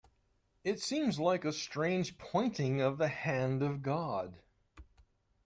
It seems like a strange pointing of the hand of God.